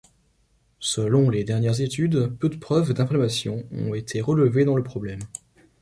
Selon les dernières études, peu de preuves d'inflammation ont été relevées dans le problème.